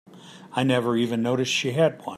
I never even noticed she had one.